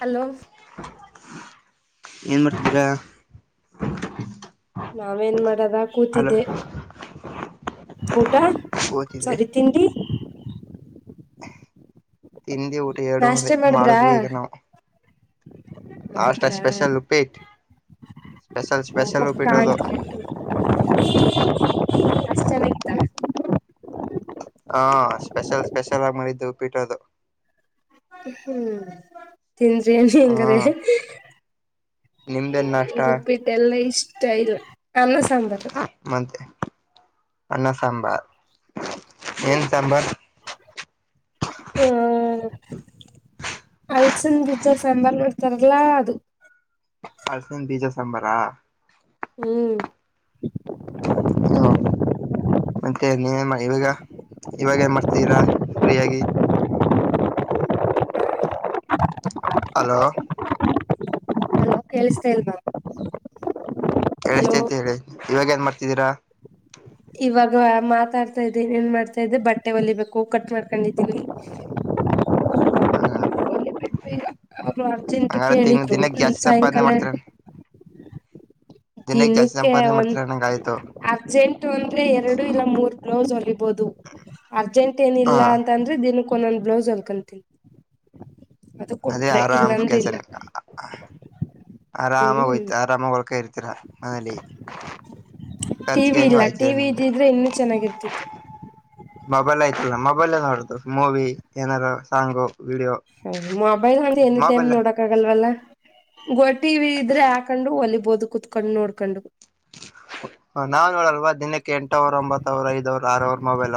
hello ಏನ್ ಮಾಡ್ತೀದಿರಾ ನಾವೇನ್ ಮಾಡದ ಕೂತಿದ್ದೆ ಊಟ ಓದ್ತಿದ್ರಿ ಸೋರಿ ತಿಂಡಿ ತಿಂಡಿ ಊಟಎರಡು ಒಂದೇ ನಾಷ್ಟೇ ಮಾಡಿದ್ರಾ ಮಾಡಿದ್ವಿ ಈಗ ನಾವು ನಷ್ಟ ಸ್ಪೆಷಲ್ ಉಪ್ಪಿಟ್ ಸ್ಪೆಷಲ್ ಓಹೋ ಸ್ಪೆಷಲ್ ಉಪ್ಪಿಟ್ಟು ಅದು ಕಾಂಕೆರ್ಟ್ ಅಷ್ಟ ಚೆನ್ನಾಗಿತ್ತಾ ಹಾ ಸ್ಪೆಷಲ್ ಸ್ಪೆಷಲ್ ಆಗಿ ಮಾಡಿದ್ದು ಉಪ್ಪಿಟ್ಟದು ಹ್ಮ್ ತಿಂದ್ರಿ ಅನ್ನಿ ಹಾ ಹೆಂಗದ್ದೆ ನಿಮ್ದೇನ್ ನಾಷ್ಟ ನಮಗೆ ಉಪ್ಪಿಟ್ಟು ಎಲ್ಲಾ ಇಷ್ಟ ಇಲ್ಲ ಅನ್ನ ಸಾಂಬಾರ್ ಮತ್ತೆ ಅನ್ನ ಸಾಂಬಾರ್ ಏನ್ ಸಾಂಬಾರ್ ಆ ಹಲ್ಸನ್ ಬೀಜ ಸಾಂಬಾರ್ ಮಾಡ್ತಾರಲ್ಲ ಅದು ಹಲ್ಸನ್ ಬೀಜ ಸಾಂಬಾರ್ ಆ ಹ್ಮ್ ಹ್ಮ ಮತ್ತೆ ನೀವ ಇವಾಗ ಇವಾಗ ಏನ್ ಮಾಡತ್ತಿದಿರ ಫ್ರೀಯಾಗಿ ಹಲೋ ಕೇಳಿಸ್ತಯಿಲ್ವಾ ಕೆಲಸ್ತೈತೇ ಹೇಳಿ ಇವಾಗ ಏನ್ ಮಾಡ್ತಿದ್ದೀರ ಇವಾಗ ಮಾತಾಡ್ತಾಇದ್ದೆ ಏನೇನ್ ಮಾಡ್ತಾ ಇದೆ ಬಟ್ಟೆ ಹೊಲಿಬೇಕು ಕಟ್ ಮಾಡ್ಕೊಂಡಿದ್ದೀವಿ ಹ ಈಗ ಅವರು ಅರ್ಜೆಂಟ್ ಹಂಗಾರ ತಿಂಗ್ ಕೇಳಿದ್ರು ದಿನಕ್ಕೆ ಜಾಸ್ತಿ ಸಂಪಾದನೆ ಸಾಯಂಕಾಲ ಮಾಡ್ತೀರ ಜಾಸ್ತಿ ದಿನಕ್ಕೆ ಸಂಪಾದನೆ ಒಂದ ಮಾಡ್ತೀರ ನಂಗ ಆಯ್ತು ಅರ್ಜೆಂಟ್ ಅಂದ್ರೆ ಎರಡು ಇಲ್ಲ ಮೂರ್ ಬ್ಲೌಸ್ ಒಲಿಬಹುದು ಬಹುದು ಅರ್ಜೆಂಟ್ ಏನಿಲ್ಲ ಹ ಅಂತಂದ್ರೆ ದಿನ ಕ್ಕೆ ಒಂದೊಂದ್ ಬ್ಲೌಸ್ ಒಲ್ಕಂತೀನಿ ಅದು ಅದೇ ಕೊಟ್ರೆ ಆರಾಮ್ ಇಲ್ಲಾಂದ್ರ ಕೆಲ್ಸ ಇಲ್ಲ ಆರಾಮಾಗಿ ಹ್ಮ್ ಹೋಯ್ತ ಆರಾಮಾಗಿ ಹೊಳ್ಕ ಇರ್ತೀರಾ ಮನೇಲಿ ಟಿ ಖರ್ಚಿಗೆ ವಿ ಹೆಂಗ ಇಲ್ಲ ಆಯ್ತಿದೆ ಟಿವಿ ನಿಮ್ಗೆ ಇದ್ದಿದ್ರೆ ಇನ್ನುೂ ಚೆನ್ನಾಗಿರ್ತಿತು [inaudible] ಮೊಬೈಲ್ ಆಯ್ತಲ್ಲ ಮೊಬೈಲ್ ನೋಡದು ಮೂವಿ ಏನಾರು ಸಾಂಗು ವಿಡಿಯೋ ಮೊಬೈಲ್ ಅಂದ್ರೆ ಎನಿ ಟೈಮ್ ಮೊಬೈಲ್ ನೋಡಕ್ ಆಗಲ್ವಲ್ಲ ದೊಡ್ಡ ಟಿವಿ ಇದ್ರೆ ಹಾಕೊಂಡು ಹೊಲಿಬೋದು ಕುೂತ್ಕೊಂಡು ನೋಡ್ಕೊಂಡು ಹ ನಾವ್ ನೋಡಲ್ವಾ ದಿನಕ್ಕೆ ಎಂಟ ಅವರ್ ಒಂಬತ್ ಅವರ್ ಐದ್ ಅವರ್ ಆರ ಅವರ್ ಮೊಬೈಲ್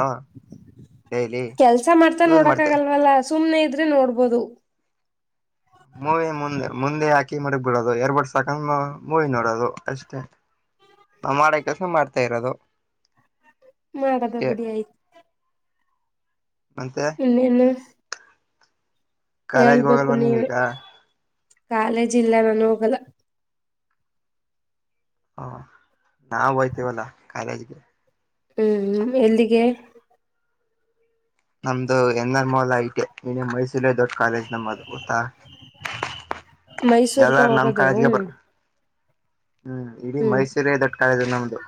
ಡೈಲಿ ಕೆಲ್ಸ ಮಾಡ್ತಾ ಯೂಸ್ ನೋಡಕ್ ಮಾಡ್ತೆ ಆಗಲ್ವಲ್ಲ ಸುಮ್ನೆ ಇದ್ರೆ ನೋಡ್ಬೋದು ಮೂವಿ ಮುಂದೆ ಮುಂದೆ ಹಾಕಿ ಮಾಡಾಗಬಿಡೋದು ಎರ್ ಬಡ್ ಹಾಕಿಕೊಂಡು ಮೂವಿ ನೋಡೋದು ಅಷ್ಟೇ ನಾವ್ ಮಾಡೋ ಕೆಲ್ಸ ಮಾಡ್ತಾ ಇರೋದು ಮಾಡದ ಅಷ್ಟೇ ಬಿಡಿ ಆಯ್ತು ಮತ್ತೆ ಇನ್ನೇನು ಕಾಲೇಜ್ಗೆ ಹೇಳ್ಬೇಕು ಹೋಗಲ್ವ ನೀವ ನೀವೀಗ ಕಾಲೇಜ್ ಇಲ್ಲ ನಾನು ಹೋಗಲ್ಲ ಹ ನಾವು ಹೋಯ್ತೀವಲ್ಲಾ ಕಾಲೇಜ್ಗೆ ಹ್ಮ್ ಎಲ್ಲಿಗೆ ನಮ್ದು ಎನ್ ಆರ್ ಮೌಲ ಐಟೆ ಇನ ಮೈಸೂರೇ ದೊಡ್ಡ ಕಾಲೇಜ್ ನಮ್ಮದು ಗೊತ್ತಾ ಮೈಸೂರ್ಗ ಎಲ್ಲಾರು ನಮ್ ಹೋಗೋದು ಕಾಲೇಜ್ಗೆ ಬರ್ ಹ್ಮ್ ಇಡೀ ಹ್ಮ್ ಮೈಸೂರ್ಗೆ ದೊಡ್ಡ ಕಾಲೇಜು ನಮ್ದು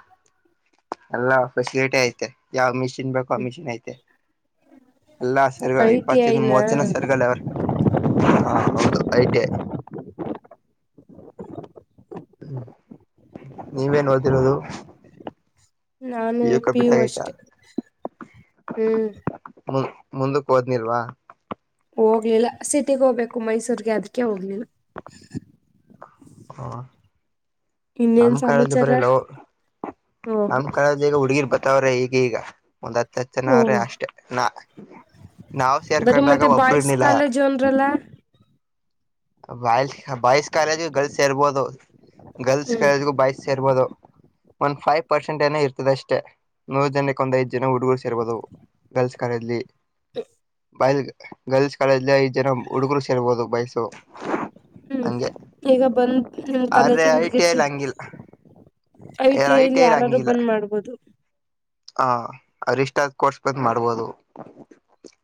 ಅಲ್ಲ ಫೆಸಿಲಿಟಿ ಐತೆ ಯಾವ್ ಮಿಷಿನ್ ಬೇಕು ಆ ಮಿಷಿನ್ ಐತೆ ಎಲ್ಲಾ ಸರ್ ಗಳು ಐ ಟಿ ಇಪ್ಪತರಿಂದ ಐನ ಮೂವತ್ತು ಜನ ಸರ್ ಗಳು ಅವ್ರೆ ಹಾ ಹೌದು ಐ ಟಿ ಐ ಹ್ಮ ನೀವೇನ್ ಓದಿರೋದು ನಾನು ಪಿ ಯು ಅಷ್ಟೆ ಹ್ಮ್ ಮು ಮುಂದಕ್ ಓದಿಲ್ವ ಹೋಗ್ಲಿಲ್ಲ ಸಿಟಿಗ ಹೋಗ್ಬೇಕು ಮೈಸೂರ್ಗೆ ಅದಕ್ಕೆ ಹೋಗ್ಲಿಲ್ಲ ಹ ಇನ್ನೇನ್ ನಮ್ ಕಳ್ದ ಸಮಾಚಾರ ಬರಲ ಓಹೋ ನಮ್ ಕಳದ ಈಗ ಹುಡುಗಿರ್ಪ ವ್ರೆ ಈಗೀಗ ಒಂದ್ ಹತ್ತು ಹತ್ತು ಜನವ್ರೆ ಓಹೋ ಅಷ್ಟೆ ನಾ ನಾವ್ ಬರೀ ಸೇರ್ಕೊಂಡಾಗ ಮತ್ತೆ ಒಬ್ಬರು ಬಾಯ್ಸ್ ಇನ್ನಿಲ್ಲ ಕಾಲೇಜು ಅಂದ್ರಲ್ಲ ಬಾಯ್ಸ್ ಬಾಯ್ಸ್ ಬಾಯ್ಸ್ ಕಾಲೇಜ್ ಗೆ ಗರ್ಲ್ಸ್ ಇರಬಹುದು ಗರ್ಲ್ಸ್ ಹ್ಮ್ ಕಾಲೇಜ್ಗು ಬಾಯ್ಸ್ ಸೇರ್ಬೋದು ಒಂದ್ ಫೈವ್ ಪರ್ಸೆಂಟ್ ಏನ ಇರ್ತದೆ ಅಷ್ಟೇ ನೂರು ಜನಕ್ಕೆ ಒಂದ್ಐದ್ ಜನ ಹುಡುಗ ಸೇರ್ಬೋದು ಗರ್ಲ್ಸ್ ಕಡೆಲ್ಲಿ ಬಾಯ್ಸ್ ಗರ್ಲ್ಸ್ ಕಾಲೇಜ್ ಜನ ಹುಡುಗರು ಸೇರ್ಬೋದು ಬೈಸು ಹ್ಮ್ ಈಗ ಬಂದ ಆದ್ರೆ ಕಾಲಜ ಐ ಉಡ್ಗಿ ಟಿ ಐಲ್ ಸ ಹಂಗಿಲ್ಲ ಐ ಟಿ ಐಲಿ ಯಾರಾರು ಬಂದ್ ಮಾಡ್ಬೋದು ಹ ಅವ್ರಿಷ್ಟ ಆದ್ ಕೋರ್ಸ್ ಬಂದ್ ಮಾಡ್ಬೋದು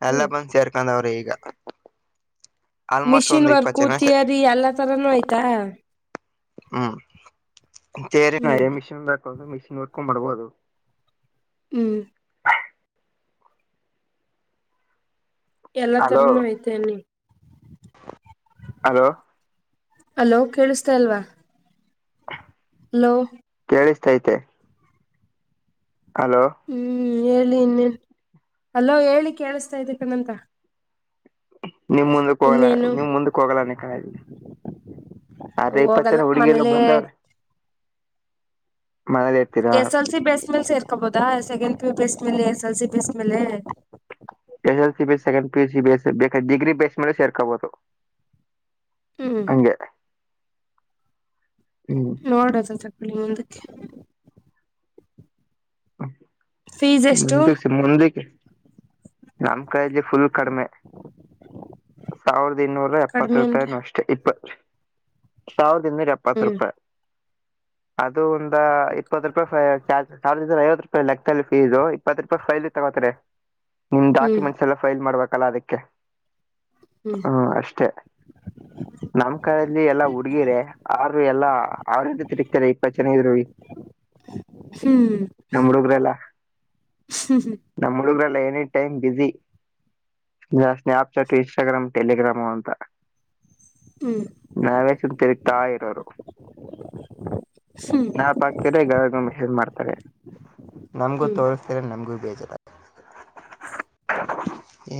ಎಲ್ಲ ಹ್ಮ್ ಬಂದ ಸೇರ್ಕೊಂಡವ್ರೆ ಈಗ [inaudible] ಮಿಷಿನ್ ಒಂದ್ ಇಪ್ಪತ್ ವರ್ಕು ಜನ ಸೇರ್ ಥಿಯರಿ ಎಲ್ಲ ತರಾನೂ ಆಯ್ತಾ ಹ್ಮ್ ಸೇರಿ ನಾ ಹ್ಮ್ ಮಿಷಿನ್ ಬ ಮಿಷಿನ್ತ ಮಾಡ್ಬಹುದು ಹ್ಮ್ ಎಲ್ಲ ಹಲೋ ತರನುೂ ಐತೆ ಅಲ್ಲಿ ಹಲೋ ಅಲೋ ಕೇಳಿಸತಾ ಇಲ್ವಾ [inaudible] ಹಲೋ ಕೇಳಿಸ್ತೈತೆ ಹಲೋ ಹ್ಮ್ ಹೇಳಿ ಇನ್ನನ್ ಅಲ್ಲೋ ಹೇಳಿ ಕೇಳಿಸತಾ ಇದೆ ಕಣ್ಣಂತ ನಿಮ್ ಮುಂದಕ್ ಹೋಗಲ್ಲ ನಿಮ್ ಮುಂದಕ್ ಹೋಗಲಾನ ಕಾಲಲ್ಲಿ ಅದೆ ಇಪ್ಪತ್ತು ಹೋಗಲ್ಲ ಜನ ಹುಡುಗಿರ ಮನೇಲೆ ಬಂದವ್ರ ಇರ್ತೀರಾ ಎಸ್ ಎಲ್ ಸಿ ಬೇಸ್ ಮೇಲೆ ಸೇರ್ಕೋಬಹುದಾ ಸೆಕೆಂಡ್ ಪೂ ಬಸ್ ಮೇಲೆ ಎಸ್ ಎಲ್ ಸಿ ಬಸ್ ಮೇಲೆ S L C base second PC base ಬೇಕ ಡಿಗ್ರಿ ಬೇಸ್ ಮೇಲೆ ಸೇರ್ಕಬಹುದು ಹ್ಮ್ ಹಂಗೆ ಹ್ಮ್ ನೋಡದ ತಕೊಳ್ಳಿ ಮುಂದಕ್ಕೆ ಹ [inaudible] ಫೀಸ್ ಎಷ್ಟು ಮುಂದ ಮುಂದಕ್ಕೆ ನಮ ಕಾಯಲ್ಲಿ ಫುಲ್ ಕಡಿಮೆ ಸಾವಿರದ ಇನ್ನೂರ ಎಪ್ಪತ್ ಕಡಿಮೆ ರೂಪಾಯ ಅಂದ್ರೆ ಅಷ್ಟೇ ಇಪ್ಪತ್ ಸಾವಿರದ ಇನ್ನೂರು ಎಪ್ಪತ್ತು ಹ್ಮ್ ರುಪಾಯಿ ಅದು ಒಂದ ಇಪ್ಪತ್ ರೂಪಾಯಿ ಸಾವಿರದ ಐವತ್ತು ರೂಪಾಯಿ ಲೆಕ್ತ ಇದು ಇಪ್ಪತ್ತು ರೂಪಾಯಿ ಫೈಲ್ ತಗೋತಾರೆ ನಿಮ್ ಹ್ಮ್ ಡಾಕ್ಯುಮೆಂಟ್ಸ್ ಎಲ್ಲ ಫೈಲ್ ಮಾಡಬೇಕು ಕಲ್ಲ ಅದಕ್ಕೆ ಹ್ಮ್ ಅಷ್ಟೇ ನಮ್ ಕಡಲ್ಲಿ ಎಲ್ಲಾ ಹುಡ್ಗಿರ ಅವರು ಎಲ್ಲಾ ಅವ್ರ ತಿಗ್ತಾರೆ ಇಪ್ಪತ್ತು ಜನ ಇದ್ರು [unintelligible] ಹ್ಮ್ ನಮ್ ಹುಡುಗ್ರೆಲ್ಲಾ ಹ್ಮ್ ಹ್ಮ್ ಅಂದ್ರಲ್ಲ ಎನಿ ಟೈಮ ಬಿಜಿ ಯ ಸ್ನ್ಯಾಪ್ ಚಾರ್ಟ್ ಇನ್ಸ್ಟಾಗ್ರಾಮ ಟೆಲಿಗ್ರಾಂ ಅಂತ ಹ್ಮ್ ನಾವೇ ಸುಮ್ಮನ್ ತಿರುಗ್ತಾ ಇರೋರು ಹ್ಮ್ [unintelligible] ಹ್ಮ್ ರ ನಮಗೂ ಬೇಜಾರು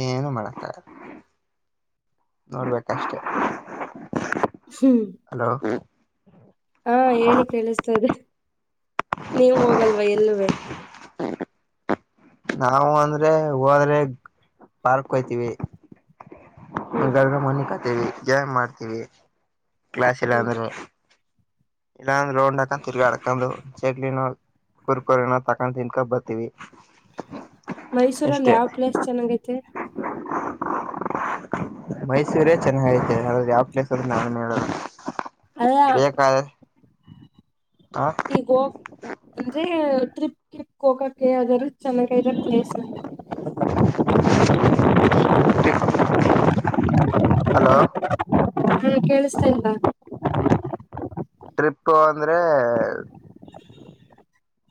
ಏನು ಮಾಡಕ್ಕ ನೋಡ್ಬೇಕಷ್ಟೆ ಹ್ಮ್ ಹಲೋ ಹಾ ಹೇಳಿ ಕೇಳಿಸ್ತದೆ ನೀವು ಹೋಗಲ್ವಾ ಎಲ್ಲುವೇ ಹ್ಮ ಹ [inaudible] ನಾವವು ಅಂದ್ರೆ ಹೋದ್ರೆ ಪಾರ್ಕ್ ಹೋಯ್ತಿವಿ ಹ್ಮ್ ಗಲ್ ಮನಿ ಕತ್ತೇವಿಜ್ ಮಾಡ್ತೀವಿ ಕ್ಲಾಸ್ ಎಲ್ಲ ಹ್ಮ್ ಅಂದ್ರೆ ಎಲ್ಲಾ ರೌಂಡ್ ಹಾಕೊಂಡುಕ ತಿರುಗಾಡುಕೊಂಡು ಚಕ್ಲಿನಾ ಕುರು ಕುರಿ ತಕೊಂಡ್ ತಿನ್ಕೊ ಬರ್ತೀವಿ ಮೈಸೂರಲ್ಲಿ ಅಷ್ಟೇ ಯಾವ ಪ್ಲೇಸ್ ಚೆನ್ನಾಗ ಐತೆ ಮೈಸೂರೇ ಚೆನ್ನಾಗ ಐತೆ ಯ ಯಾವ್ ಪ್ಲೇಸ್ ಅರು ನಾವೇನ್ ಹೇಳದು ಅಲ್ಲ ಬೇಕಾದ ಹ ಈಗೋ ಅಂದ್ರೆ ತ್ರಿಪ್ ಕೋಕಕ್ಕೆ ಅದರ ಚೆಮಕ ಇದ ಪ್ಲೇಸ್ [inaudible] ಹಲೋ ಹಾ ಕೇಳಿಸತಲ್ಲ ಟ್ರಿಪ್ಪು ಅಂದ್ರೆ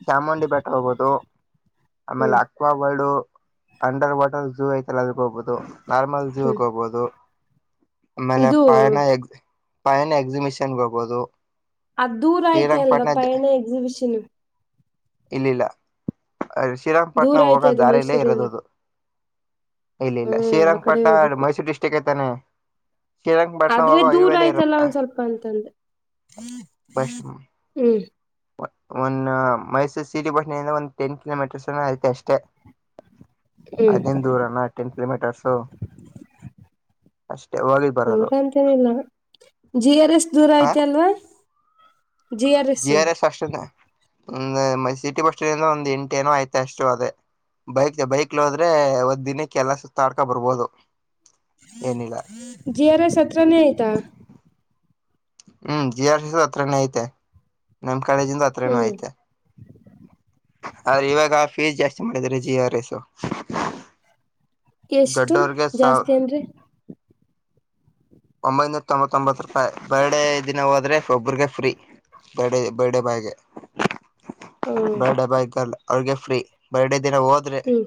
ಚಾಮುಂಡಿ ಬೆಟ್ಟ ಹೋಗೋದು ಆಮೇಲೆ ಹ್ಮ್ aqua bird under water zoo ಐತಲ್ಲ ಅ ಹೋಗ್ಬಹುದು ನಾರ್ಮಲ್ ಝೂಗೆ ಹ್ಮ್ ಹೋಗ್ಬಹುದು ಆಮೇಲೆ ಇದು ಪಯಣ ಎಕ್ ಪಯನ ಎಕ್ಸಿಬಿಷನ್ ಹೋಗಬಹುದು ಅದು ದೂರ ಆಯ್ತೆ ಅಲ್ವಾ ಪಯಣ ಎಕ್ಸಿಬಿಷನ್ ಇಲ್ಲಿಲ್ಲ ದೂರ ಶ್ರೀರಂಗಪಟ್ಟಣಂ ಹೋಗ ಐತೆ ಅದು ದಾರಲ್ಲೇ ಮೈಸೂರಿಂದ ಇರೋದದು ಇಲ್ಲ ಇಲ್ಲ ಹ್ಮ್ ಆ ಕಡೆ ಶ್ರೀರಂಗಪಟ್ಟಣ ಹೋಗ್ಬೇಕು ಮೈಸೂರು ಡಿಸ್ಟ್ರಿಕ್ ಐತಾನೆ ಶ್ರೀರಂಗಪಟ್ಟಣ ಆದ್ರೆ ಹೋಗೋ ದೂರ ಹೈವೇಲೆ ಆಯ್ತಲ್ಲಾ ಒಂದ್ ಸ್ವಲ್ಪ ಅಂತಂದ ಬಷಮ ಹ್ಮ್ [inaudible] ಒಂದು ಮೈಸೂರು ಸಿಟಿ ಭಟ್ಣಿಯಿಂದ ಒಂದ್ ಟೆನ್ ಕಿಲೋಮೀಟರ್ಸ್ನ ಐತೆ ಅಷ್ಟೇ ಹ್ಮ್ ಐದಿನ ದೂರನ ಟೆನ್ ಕಿಲೋಮೀಟರ್ಸ್ ದೂರ ಅಂತೇನಿಲ್ಲ ಜಿ ಆರ್ ಎಸ್ ದೂರ ಹ ಐತೆ ಅಲ್ವಾ ಜಿ ಆರ್ ಎಸ್ ಅಷ್ಟ ಒ ಸಿಟಿ ಬಸ್ ಒಂದ ಎಂಟ ಏನೋ ಆಯ್ತ ಅಷ್ಟು ಅದೇ ಬೈಕ್ ಬೈಕ್ಲ್ ಹೋದ್ರೆ ಒದ್ ದಿನಕ್ಕೆ ಎಲ್ಲ ಸುತ್ತಾಡ್ಕೊ ಬರ್ಬೋದು ಏನಿಲ್ಲ ಜಿ ಆರ್ ಎಸ್ ಹತ್ರನೇ ಆಯ್ತಾ ಹ್ಮ್ ಜಿ ಆರ್ ಸಿ ಹತ್ರನೇ ಐತೆ ನಮ್ ಕಾಲೇಜಿಂದ ಹತ್ರನ ಹ್ಮ್ ಐತೆ ಅ್ರ ಇವಾಗ ಫೀಸ್ ಜಾಸ್ತಿ ಮಾಡಿದ್ರ ಜಿ ಆರ್ ಎಸ್ ಎಷ್ಟು ದೊಡ್ಡರ್ಗೆ ಜಾಸ್ತಿ ಸವರ್ ಅಂದ್ರೆ ಒಂಬೈನೂರ ತೊಂಬತ್ತೊಂಬತ್ತು ರೂಪಾಯಿ ಬರ್ಡೆ ದಿನ ಹೋದ್ರೆ ಒಬ್ರರಿಗೆ ಫ್ರೀ ಬರ್ಡ ಬರ್ಡೇ ಬಾಯ್ಗೆ ಹ ಬರ್ಡೇ ಬೈಕಲ್ ಅವ್ರಿಗೆ ಫ್ರೀ ಬರ್ಡೇ ದಿನ ಹೋದ್ರೆ ಹ್ಮ್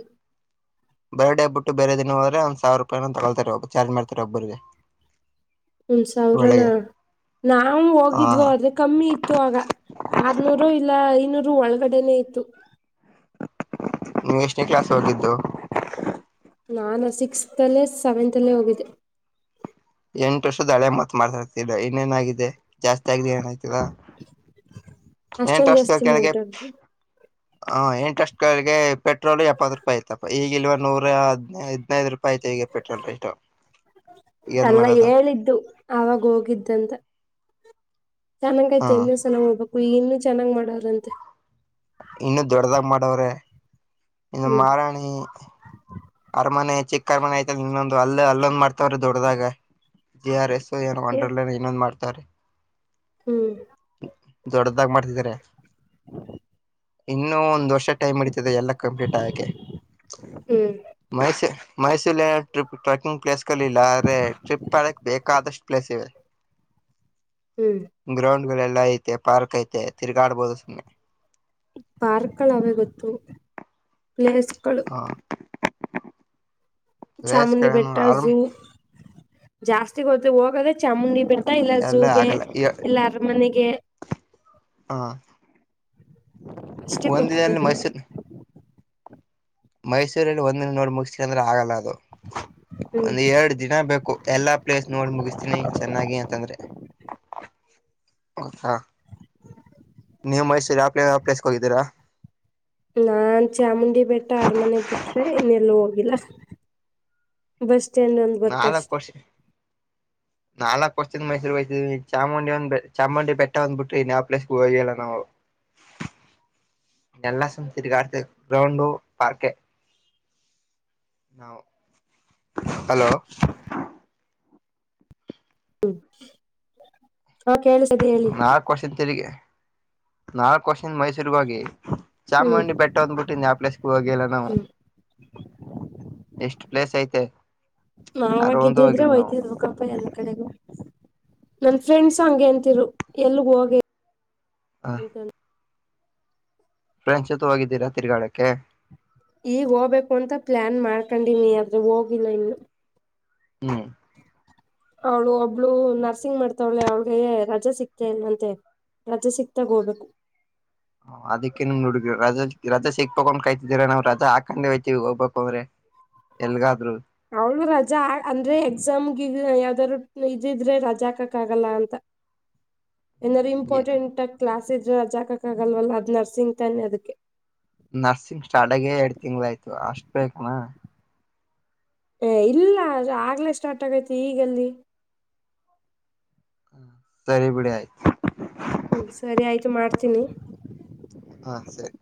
ಬರ್ಡೇಬಟ್ಟು ಬೇರೆ ದಿನ ಹೋದ್ರೆಂದ ಸಾವಿರ ರೂಪಾಯ ತಗೊಳ್ತಾರೆ ಒಬ್ಬ ಚಾರ್ಜ್ ಮಾಡ್ತಾರೆ ಒಬ್ಬ್ರರಿಗೆ ಒಂದು ಸಾವಿರ ನ ನಾವವು ಹಾ ಹೋಗಿದ್ವ ಆದ್ರೆ ಕಮ್ಮಿ ಇತ್ತು ಆಗ ಆರ್ನೂರು ಇಲ್ಲ ಇನೂರು ರು ಒಳಗಡೆನೆೇ ಇತ್ತು ನೀವ್ ಎಷ್ಟೇ ಕ್ಲಸ್ ಹೋಗಿದ್ದು ನಾನ ಸಿಕ್ಸ್ತ್ ಅಲ್ಲೇ ಸೆವೆಂತ್ ಅಲ್ಲೇ ಹೋಗಿದ್ದೆ ಎಂಟು ವರ್ಷದ ಹಳೆ ಮತ್ ಮಾಡ್ತಾರ್ತಿರ ಇನ್ನೇನಾಗಿದೆ ಜಾಸ್ತಿ ಆಗಿದೆ ಏನ ಎಂಟು ಅಷ್ಟೊಂದ ವರ್ಷ ಜಾಸ್ತಿ ಕೆಳಗೆ ಮಾಡ್ಬಿಟ್ಟ ಹ ಎಂಟು ವರ್ಷದ ಕೆಳಗೆ ಪೆಟ್ರೋಲ್ ಎಪ್ಪತ್ತು ರೂಪಾಯಿ ಆಐತಪ ಈಗಿಲ್ವ ನೂರ ಹದ್ ಹದ್ನೈದು ರೂಪಾಯಿ ಪಾಯ ತಗ ಪಟ್ಟ ರಟಾ ಅಲ್ಲ ಹೇಳಿದ್ದು ಆಗ ಹೋಗಿದ್ದಂತ ಹಾ ಚೆನ್ನಾಗಯ್ತು ಇನ್ನೊ ಸಲ ಹೋಗ್ಬೇಕು ಇನ್ನು ಚೆನ್ನಾಗ್ ಮಾಡಾರಂತೆ ಇನ್ನುೂ ದೊಡ್ಡದಾಗ್ ಮಾಡವ್ರೆ ಇನ್ನು ಹ್ಮ್ ಮಾರಾಣಿ ಅರಮನೆ ಚಿಕ್ಕ ಅರಮನೆ ಆಯತಲ್ಲ ಇನ್ನೊಂದು ಅಲ್ಲ ಅೊಂದ್ ಮಾಡ್ತವ್ರೀ ದೊಡ್ಡ್ದಾಗ ಜೆ ಆರ್ ಎಸ್ ಏನೋ ಅಂಡರ್ನ್ ಇನ್ನೊಂದು್ ಮಾಡ್ತಾರೆ ಹ್ಮ್ ದೊಡ್ಡದಾಗ ಮಾಡ್ತಿದಿದ್ದಾರೆ ಇನ್ನು ಒಂದ್ ವರ್ಷ ಟೈಮ್ ಇಡತದೆ ಎಲ್ಲ ಕಂಪ್ಲೀಟ್ ಆಗಕೆ ಹ್ಮ್ ಮೈಸ ಮೈಸೂರಿ ಟ್ರಿಪ್ ಟ್ರೆಕಿಂಗ್ ಪ್ಲೇಸ್ ಕಲ್ಲಿ ಇಿಲ್ಲ ಆದ್ರೆ ಟ್ರಿಪ್ ಮಾಡಡಕ್ ಬೇಕಾದಷ್ಟು ಪ್ಲೇಸ್ ಇವೆ [inaudible] ಹ್ಮ್ ಗಳ ಎಲ್ಲಾ ಐತೆ ಪಾರ್ಕ್ ಐತೆ ತಿರ್ಗಾಡ್ಬಹದು ಸುಮ್ಮ್ನೆ ಪಾರ್ಕ್ಗಳು ಅವೆ ಗೊತ್ತು ಪ್ಲೇಸ್ಗಳು ಹ [inaudible] ಚಾಮುಂಡಿ ಪ್ಲೇಸ್ಗಳೇನು ಬೆಟ್ಟ ಆರಾಮ್ ಝೂ ಜಾಸ್ತಿ ಗತ ಹೋಗದೆ ಚಾಮುಂಡಿ ಬೆಟ್ಟ ಇಲ್ಲ ಎಲ್ಲ ಝೂಗೆ ಆಗಲ್ಲ ಎಲ್ಲ ಅರಮನೆಗೆ ಹಾ ಅಷ್ಟೇ ಒಂದಿನಲ್ಲಿ ಗೊತ್ತಿರೋದು ನನ್ಗೆ ಮೈಸೂರು ಮೈಸೂರಲ್ಲಿ ಒಂದ ನೋಡ್ ಮುಗಿಸ್ತ ಅಂದ್ರೆ ಆಗಲ್ಲ ಅದು ಹ್ಮ್ ಒಂದ ಎರಡ್ ದಿನ ಬೇಕು ಎಲ್ಲಾ ಪ್ಲೇಸ್ ನೋಡ್ ಮುಗಿಸ್ತೀನಿ ಚೆನ್ನಾಗಿ ಅಂತಂದ್ರೆ ಅ ನೀವು ಮೈಸೂರು ಯಾವ್ಲ ಯಾವ ಪಲೇಸ್ ಹೋಗಿದ್ದೀರ ನಾನ್ ಚಾಮುಂಡಿ ಬೆಟ್ಟ ಆರಮನೆ ಬಿುಟ್ರೆ ಇನ್ನೆಲ್ಲ ಹೋಗಿಲ್ಲ ಬಸ್ ಸ್ಟ್ಯಾಂಡ್ ಒಂದ ಗೊತ್ತ ಅಷ್ಟೆ ನಾಲ್ಕ್ ವರ್ದಿಂದ ಮೈಸೂರು ಹೋಗಯತವಿ ಚಾಮುಂಡಿ ಒಂದ್ ಚಾಮುಂಡಿ ಬೆಟ್ಟ ಒಂದ್ ಬಿಟ್ರಿನ್ಯಾವ್ ಪ್ಲೇಸ್ಗೆ ಹೋಗಿಲ್ಲ ನಾವು ಎಲ್ಲ ಸತರಿಗಡ್ ಗ್ರೌಂಡು ಪಾರ್ಕ ನ ಹಲೋ ಹ್ಮ್ ನಾಲ್ಕು ವರ್ಷಿಂದ ತೆರಿಗೆ ನಾಲ್ಕು ವರ್ಷಿಂದ ಮೈಸೂರಿಗೆ ಹೋಗಿ ಹ್ಮ್ ಚಾಮುಂಡಿ ಬೆಟ್ಟ ಅಂದ್ಬ ಬಿಟ್ಟಿ ಯಾವ ಪ್ಲೇಸ್ಗೆ ಹೋಗಲ್ಲ ನಾವು ಹ್ಮ್ ಎಷ್ಟ್ ಪ್ಲೇಸ್ ಐತೆ ಅರ ಒಂದು ನಾವಾಗಿದ್ದಿದ್ರೆ ಹೋಗಿಲ್ಲ ನಾವು ಹೊಯ್ತಕಪ್ಪ ಎಲ್ಲ ನನ್ ಫ್ರೆಂಡ್ಸ್ ಹಂಗಗೆ ಅಂತರು ಎಲ್ಗ ಹೋಗಿ [inaudible] ಹಂತ [inaudible] ಫ್ರೆಂಚ್ ಜೊತೆ ಹೋಗಿದ್ದೀರಾ ತಿರ್ಗಾಡೊಕೆ ಕ್ಕೆ [inaudible] ಈಗ್ ಹೋಗಬೇಕು ಅಂತ ಪ್ಲಾನ್ ಮಾಡ್ಕೊಂಡನಿ ಆದ್ರೂ ಹೋಗಿಲ್ಲ ಇನ್ನು [inaudible] ಹ್ಮ್ [unintelligible] ಅವಳು ಒಬ್ಳು ನರ್ಸಿಂಗ್ ಮಾಡ್ತಾವಳೆ ಅವಳಿಗೆ ರಜೆ ಸಿಕ್ತೆನಂತೆ [inaudible] ರಜೆ ಸಿಕ್ತಾ ಹೋಗ್ಬೇಕು [inaudible] ಹ ಅದಕ್ಕೆೇ ನೋಡ ರ ರಾ [inaudible] ಸಿಕ್ ತಕೊಂಡ್ ಕಾಯ್ತಿದೀರ ನಾವು ರಜಾ ಹಾಕೊಂಡು ಹೋಗಯತತಿವಿ ಹೋಗ್ಬೇಕು ಅಂದ್ರೆ ಎಲ್ಗಾದ್ರು ಅವಳು ರಜಾ ಅಂದ್ರೆ ಎಕ್ಸಾಮ್ಗೆ ಯಾವ್ದಾದಾರರು ಇದಿದ್ರೆ ರಜಾ ಹಾಕಕ್ ಆಗಲ್ಲ ಅಂತ [inaudible] [inaudible] ಏನಾದ್ರು ಇಂಪಾರ್ಟೆಂಟ್ ಆ ಕ್ಲಾಸ್ ಇದ್ರ ಅ ಆಕಕ್ ಆಗಲ್ವಲ್ಲ ಅ ನರ್ಸಿಂಗ್ ತಾನೆ ಅದಕ್ಕೆ ನರ್ಸಿಂಗ್ ಸ್ಟಾರ್ಟ್ ಆಗಿ ಎರಡ್ ತಿಂಗ್ಳ ಆಯ್ತು [inaudible] ಇಲ್ಲ ಆಗ್ಲೇ ಸ್ಟಾರ್ಟ್ ಆಗೈತಿ ಈಗಲ್ಲಿ [inaudible] ಸರಿ ಬಿಡ ಆಯ್ [inaudible] ಹ್ಮ್ ಸರಿ ಆಯ್ತು ಮಾಡ್ತೀನಿ [inaudible] ಹಾ ಸರಿ [inaudible]